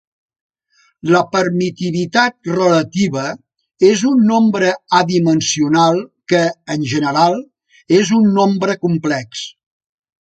La permitivitat relativa és un nombre adimensional que, en general, és un nombre complex.